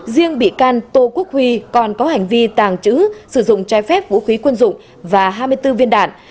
riêng bị can tô quốc huy còn có hành vi tàng trữ sử dụng trái phép vũ khí quân dụng và hai mươi bốn viên đạn